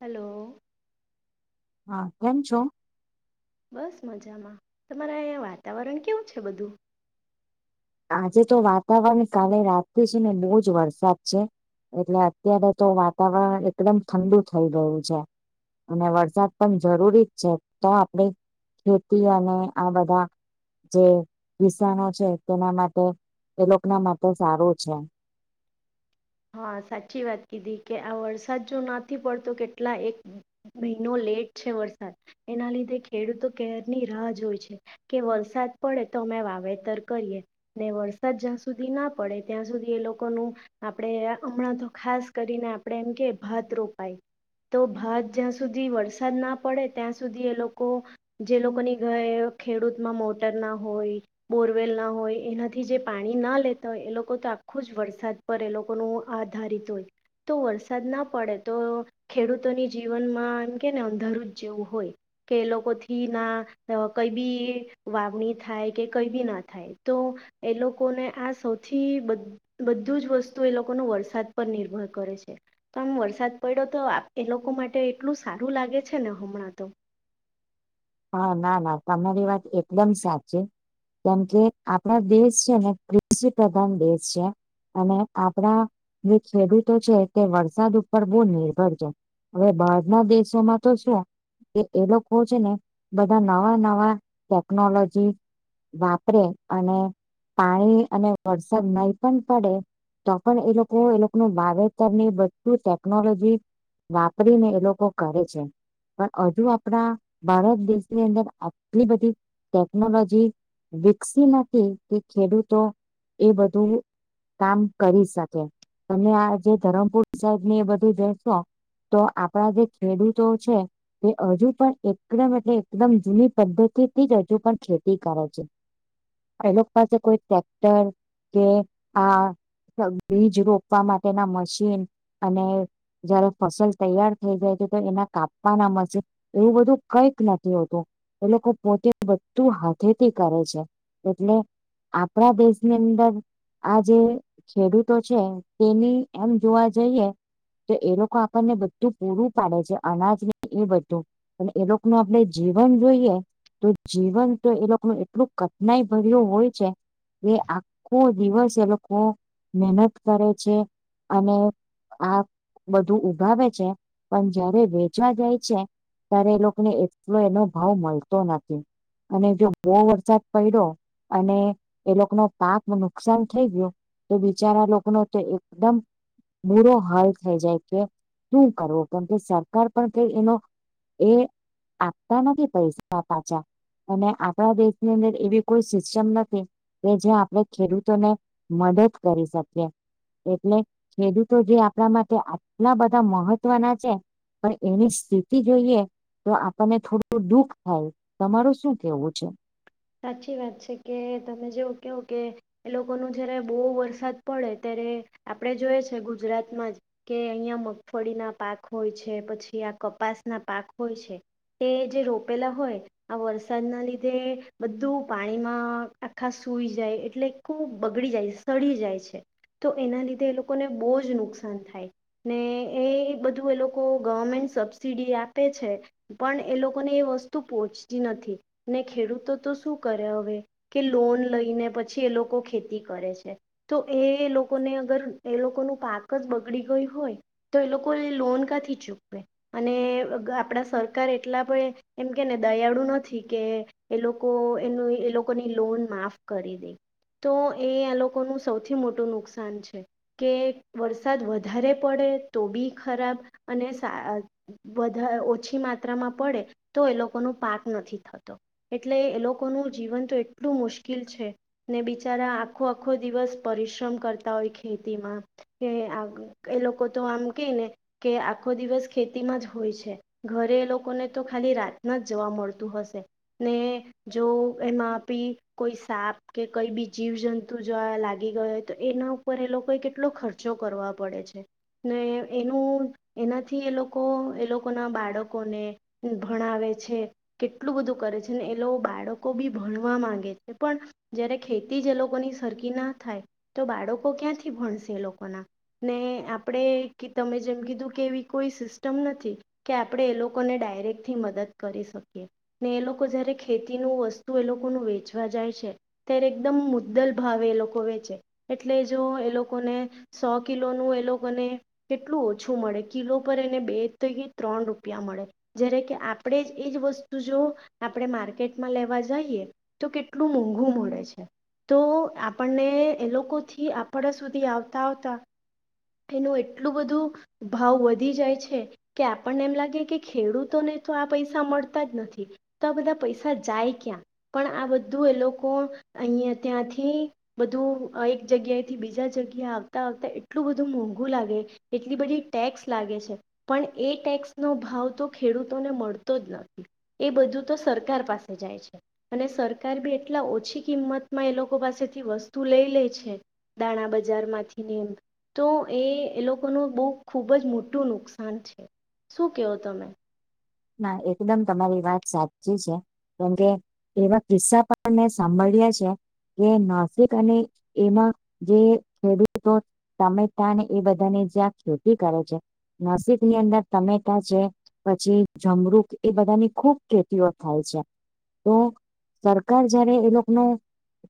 Hello હા કેમ છો બસ મજામાં તમારે અહીંયા વાતાવરણ કેવું છે બધું. આજે તો વાતાવરણ કાલે રાત છે ને બહુજ વરસાદ છે. એટલે અત્યારે તો વાતાવરણ એકદમ ઠંડુ થઈ ગયું છે. અને વરસાદ પણ જરૂરી જ છે તો આપણેે ખેતી અને આ બધા જે વિસાણો છે. તેના માટે એ લોકો ના માટે સારું છે. હા સાચી વાત કીધી કે આ વરસાદ જો નથી પડતો કેટલા એક મહિનો લેટ છે વરસાદ એના લીધે ખેડૂતો કેરની રાહ જો હોય છે. કે વરસાદ પડે તો અમે વાવેતર કરીએ. વરસાદ જ્યાં સુધી ના પડે ત્યાં સુધી એ લોકોનું આપણે હમણાં તો ખાસ કરીને આપડે એમ કે ભાત રોપાઈ તો ભત જ્યાં સુધી વરસાદ ના પડે ત્યાં સુધી એ લોકો જે લોકોની ઘર ખેડૂતમાં મોટર ના હોય. બોરવેલ ના હોય એનાથી જે પાણી ના લેતા હોય એ લોકો તો આખું જ વરસાદ પર એ લોકો આધારિત હોય તો વરસાદ ના પડે તો ખેડૂતોની જીવનમાં એમ કે ને અંધારું જ જેવું હોય. કે લોકોથી ના કઈ બી વાવણી થાય કે કઈ બી ના થાય તો એ લોકોને આ સૌથી બધું જ વસ્તુ તુ એ લોકો ન વરસાદ પર નિર્ભર કરે છે. તો આમ વરસાદ પડ્યો તો એ લોકો માટે એટલું સારું લાગે છે ને હમણાં તો હા ના ના તમારી વાત એકદમ સાચી કેમ કે આપણા દેશ છે ને કૃષિ પ્રધાન દેશ છે. અને આપણા જે ખેડૂતો છે તે વરસાદ ઉપર બહુ નિર્ભર છે. હવે બહાર ના દેશોમાં તો શું કે એ લોકો છે ને બધા નવા નવા ટેકનોલોજી વાપરે અને પાણી અને વરસાદ નહી પણ પડે. તો પણ એ લોકો એ લોકો ન વાવેતર બધું ટેકનોલોજી વાપરીને એ લોકો કરે છે પણ હજુ આપણા બળદ દેશની અંદર આટલી બધી ટેકનોલોજી વિકસી નથી કે ખેડૂતો એ બધું કામ કરી શકે તમે આ જે ધરમપુર સાહેબ ની એ બધું જસો. તો આપણા જે ખેડૂતો છે તે હજુ પણ એકદમ એટલે એકદમ જૂની પદ્ધતિ થી જ હજુ પણ ખેતી કરે છે. એ લોકો પાસે કોઈ ટ્રેક્ટર કે આ બીજ રોપવા માટેના મશીન અને જયારે ફસલ તૈયાર થઈ જાય છે તો એના કાપવા ના મળશે એવું બધું કઈક નથી. ું એ લોકો પોતે બધું હાથેથી કરે છે એટલે આપણા દેશની અંદર આ જે ખેડૂતો છે તેની એમ જોવા જઈએ. તો એ લોકો આપણને બધું પૂરું પાડે છે અનાજ ન એ બધું પણ એ લોકો ન આપડ જીવન જોઈએ તો જીવન તો એ લોકોનું એટલું કઠિનાઈ ભર્યું હોય છે. એ આખો દિવસ એ લોકો મહેનત કરે છે અને આ બધું ઉભાવે છે પણ જયારે વેચવા જાય છે. ત્યારે એ લોકોને એટલો એનો ભાવ મળતો નથી. અને જો બવ વરસાદ પડ્યો. અને એ લોકો ના પાક ને નુકસાન થઈ ગયો. એ બિચારા લોકોનો તો એકદમ બૂરો હાલ થઈ જાય કે શું કરવો કેમકે સરકાર પણ કઈ એનો- એ આપતા નથી પૈસા પાછા અને આપણા દેશની અંદર એવી કોઈ સિસ્ટમ નથી. કે જે આપણે ખેડૂતોને મદદ કરી શકીએ. એટલે ખેડૂતો જે આપણા માટે આટલા બધા મહત્વના છે. પણ એની સ્થિતિ જોઈએ- તો આપણને થોડું દુઃખ થાય. તમારું શું કેવું છે? સાચી વાત છે કે તમે જેવું કહો કે- એ લોકોનો જયારે બહુ વરસાદ પડે ત્યારે આપણે જોઈ છે. ગુજરાતમાં જ કે અહીંયા મગફળીના પાક હોય છે. પછી આ કપાસ ના પાક હોય છે. તે જે રોપેલા હોય આ વરસાદના લીધે- બધું પાણીમાં આખા સૂઈ જાય એટલે ખુબ બગડી જાય સડી જાય છે. તો એના લીધે એ લોકોને બહુ જ નુકસાન થાય. ને એ બધું એ લોકો ગવર્મેન્ટ સબસીડી આપે છે. પણ એ લોકોને એ વસ્તુ પોહોચતી નથી. ને ખેડૂતો- તો શું કરે હવે કે લોન લઈને પછી એ લોકો ખેતી કરે છે. તો એ લોકોને અગર એ લોકોનું પાક જ બગડી ગયું હોય- તો એ લોકો એ લોન ક્યાંથી ચૂકવે- અને અગ આપણા સરકાર એટલા પણ એમ કે ને દયાળુ નથી કે એ લોક કો એનું એ લોકોની લોન માફ કરી દે- તો એ એ લોકોનું સૌથી મોટું નુકસાન છે. કે વરસાદ વધારે પડે તો ભી ખરાબ અને સા અ વધાર ઓછી માત્રામાં પડે તો એ લોકોનો પાક નથી થતો. એટલે એ લોકોનું જીવન તો એટલું મુશ્કેલ છે. ને બિચારા આખો આખો દિવસ પરિશ્રમ કરતા હોય ખેતીમાં. કે આગન એ લોકો તો આમ કે ને કે આખો દિવસ ખેતી માં જ હોય છે. ઘરે એ લોકોને તો ખાલી રાતના જ જવા મળતું હશે ને- જો એમાં ભી કોઈ સાપ કે કઈ બી જીવજંતુ જો લાગી ગયો હોય તો એનો ઉપર એ લોકોએ કેટલો ખર્ચો કરવા પડે છે. ને એનું એનાથી એ લોકો એ લોકોના બાળકોને- ભણાવે છે કેટલું બધું કરે છે. ને એ લો બાળકો બી ભણવા માંગે છે પણ- જયારે ખેતી જ એ લોકોની સરખી ના થાય તો બાળકો ક્યાંથી ભણશે એ લોકોના. ને આપણે કે તમે જેમ કીધું કે એવી કોઈ સિસ્ટમ નથી. કે આપણે એ લોકોને ડાયરેક્ટ થી મદદ કરી શકીએ ને એ લોક કો જ્યારે ખેતીનું વસ્તુ એ લોકોનું વેચવા જાય છે. ત્યારે એકદમ મુદ્દલ ભાવે એ લોકો વેચે એટલે જો એ લોકોને- સો કિલોનું એ લોકોને- કેટલું ઓછું મળે કિલો પર એને બે કે ત્રણ રૂપિયા મળે. જ્યારે કે આપણેે જ એજ વસ્તુ જો આપણે માર્કેટમાં લેવા જઈએ તો કેટલું મોંઘું મળે છે. તો આપણને એ લોકોથી આપણા સુધી આવતા આવતા- એનું એટલું બધું ભાવ વધી જાય છે. કે આપણને એમ લાગે કે ખેડૂતોને તો આ પૈસા મળતા જ નથી. તો આ બધા પૈસા જાય ક્યાં? પણ આ બધું એ લોકો અહીંયા ત્યાંથી- બધું એક જગ્યાએથી બીજા જગ્યા આવતા આવતા એટલું બધું મોંઘું લાગે- એટલી બધી ટેક્સ લાગે છે. પણ એ ટેક્સ નો ભાવ તો ખેડૂતોને મળતો જ નથી એ બધું. તો સરકાર પાસે જાય છે. અને સરકાર બી એટલા ઓછી કિંમતમાં એ લોકો પાસેથી વસ્તુ લઈ લે છે. દાણા બજાર માંથી નેમ. તો એ એ લોકોનું બહુ ખૂબ જ મોટું નુકસાન છે શું કહો તમે. ના એકદમ તમારી વાત સાચી છે. કેમકે એવા કિસ્સા પણ મેં સાંભળ્યા છે. કે નાસિક અને એમાં જે ખેડૂતો. તમે ત્યાં ને એ બધાની જ્યાં ખેતી કરો છે. નસિક ની અંદર તમેટા છે પછી. જમરુક એ બધાની ખૂબ ખેતીઓ થાય છે તો. સરકાર જયારે એ લોકો ન.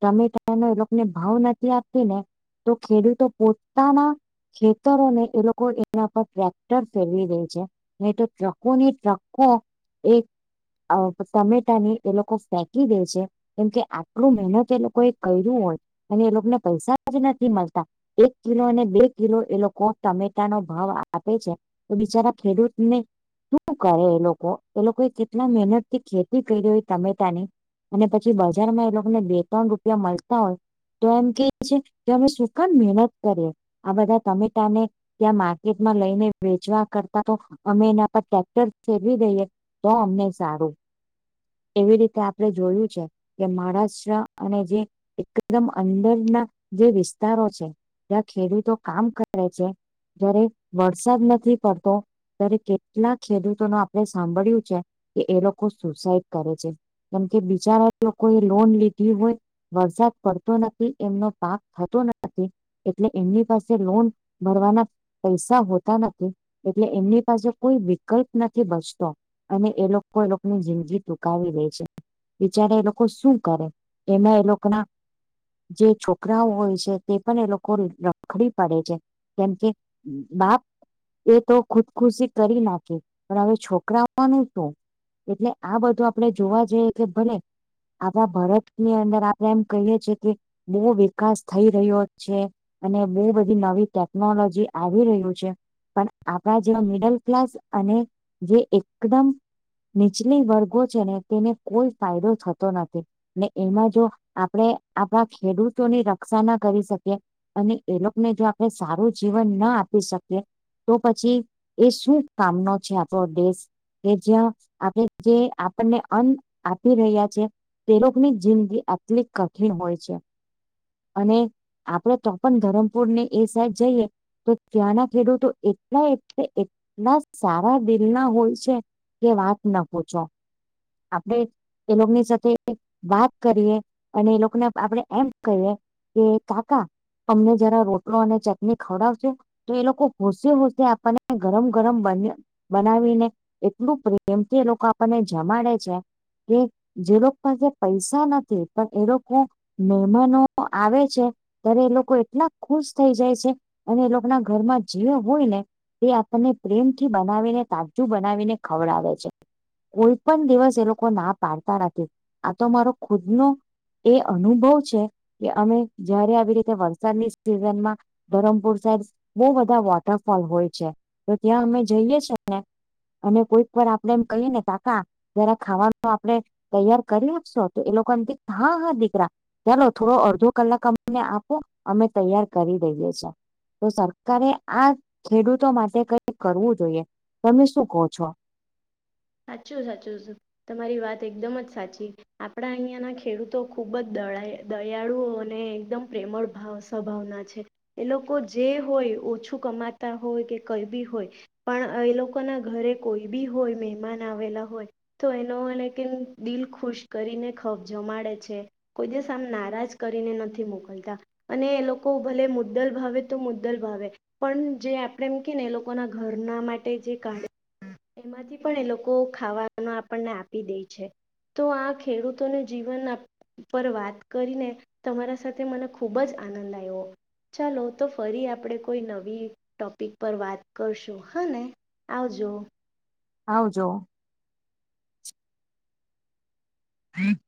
તમેટા એનો એ લોકોને ભાવ નથી આપતી ને તો ખેડૂતો પોતાના. ખેતરોને એ લોકો એના પર ટ્રેક્ટર ફેરવી રે છે નહી તો ટ્રકો ટ્રક. એક ટમેટાને એ લોકો ફેંકી દે છે. કેમકે આટલું મહેનત એ લોકો એ કર્યું હોય અને એ લોકોને પૈસા જ નથી મળતા. એક કિલો અને બે કિલો એ લોકો ટમેટા નો ભાવ આપે છે. તો બિચારા ખેડૂત ને શું. કરે એ લોકો એ લોકોએ કેટલા મહેનત થી ખેતી કરી હોય ટમેટાની. અને પછી બજારમાં એ લોકોને બે ત્રણ રૂપિયા મળતા હોય. તો એમ કે છે કે અમે સુખાન મહેનત કરીએ આ બધા તમે તને. ત્યાં માર્કેટમાં લઈને વેચવા કરતા તો અમે એના પર ટક્ટર. ફેરવી દઈએ તો અમને સારું એવી રીતે આપડણે જોયું છે. કે મહારાષ્ટ્ર અને જે એકદમ અંદરના જે વિસ્તારો છે. ત્યા ખેરી તો કામ કર છે. જારે વરસાદ નથી પડતો ત્યારે કેટલા ખેડૂત. આપે સાંભળ્યું છે કે એ લોકો સુસાઈડ કરે છે. કેમ કે બિચારા લોકો એ લોન લીધી હોય. વરસાદ પડતો નથી એમનો પાક થતો નથી. એટલે એમની પાસે લોન ભરવાના. પૈસા હોતા નથી એટલે એમની પાસે કોઈ વિકલ્પ. નથી બચતો અને એ લોકો એ લોકોની જિંદગી તૂંકાવી રે છે. બિચારે એ લોકો શું કરે એને એ લોકો ના. જે છોકરાઓ હોય છે તે પણ એ લોકો રખડી પડે છે. કેમકે બાપ એ તો ખુદખુશી કરી નાખે. પણ હવે છોકરાવાનું તું એટલે આ બધું આપણેે જોવા જઈએ કે ભલે. આપણા ભારતની અંદર આપણે એમ કહીએી કે બહુ વિકાસ થઈ રહ્યો છે. અને બે બધી નવી ટેકનોલોજી આવી રહ્યું છે. પણ આપણા જેવા મિડલ ક્લાસ અને જે એકદમ. નીચલી વર્ગો છે ને તેને કોઈ ફાયદો થતો નથી. એમાં જો આપણે આપણા ખેડૂતોની રક્ષા ના કરી શકીએ. અને એ લોકોને જો આપણે સારું જીવન ના આપી શકીએ. તો પછી એ શું કામનો છે આપણો દેશ. કે જ્યા આપણે જે આપણને અન્ન આપી રહ્યા છે. તેલોકની જિંદગી આટલી કઠિન હોય છે અને. આપડે તો પણ ધરમપુર ને એ સાઈડ જઈએ. તો ત્યાંના ખેડૂતો એટલા એ એટલા સારા. દિલ ના હોય છે કે વાત ના પ છો આપડે. એ લોકો ની સાથે વાત કરીએ અને એ લોકોને આપણેે એમ કહીએ. કે કાકા અમને જરા રોટલો અને ચટણી ખવડાવશે? તો એ લોકો હોશે હોશે આપણને ગરમ ગરમ બન બનાવીને એટલું પ્રેમથી એ લોકો આપણને જમાડે છે. કે જે લોકો પાસે પૈસા નથી પણ એ લોકો મહેમનો તો આવે છે ત્યારે એ લોકો એટલા ખુશ થઈ જાય છે. અને એ લોકના ઘરમાં જે હોય ને તે આપણને પ્રેમથી બા બનાવીને તાજું બનાવીને ખવડાવે છે. કોઈ પણ દિવસ એ લોકો ના પાડતા નથી આ તો મારો ખુદનો એ અનુભવ છે કે અમે જયારે આવી રીતે વરસાદની સિઝનમાં ધરમપુર સાઈડ બો બધાં વોટરફોલ હોય છે. તો ત્યાં અમે જઈએ છે ને. અને કોઈક વાર આપડે એમ કહી ને કાકા. જરા ખાવાનું આપણે તૈયાર કરી આપશો તો એ લોકો એમ કે હા હા, દીકરા. ચાલો થોડો અડધો કલાક અમને આપો અમે તૈયાર કરી દઈએ છે. તો સરકારે આ ખેડૂતો માટે કઈ કરવું જોઈએ તમે શું કો છો? સાચું સાચું, તમારી વાત એકદમ જ સાચી આપણા અહિયાંના ખેડૂતો ખુબ જ દ દયાળુઓ અને એકદમ પ્રેમળ ભાવ સંભાવના છે એ લોકો જે હોય ઓછું કમાતા હોય કે કઈ બી હોય. પણ એ લોકોના ઘરે કોઈ બી હોય મહેમાન આવેલા હોય. તો એનો અને કે દિલ ખુશ કરીને ખ જમાડે છે. કોઈ દિવસ આમ નારાજ કરીને નથી મોકલતા. અને એ લોકો ભલે મુદ્દલ ભાવે તો મુદ્દલ ભાવે. પણ જે આપણેે એમ કે ને એ લોકોના ઘરના માટે જે કાઢે એમાંથી પણ એ લો ખાવાનું આપણને આપી દે છે તો આ ખેડૂતોને જીવન આ પર વાત કરીને તમારા સાથે મને ખૂબ જ આનંદ આયો. ચાલો તો ફરી આપડે કોઈ નવી ટોપિક પર વાત કરશું હને. આવજો. આવજો. [inaudible]